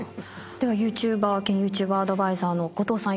ではＹｏｕＴｕｂｅｒ兼ＹｏｕＴｕｂｅアドバイザーの後藤さん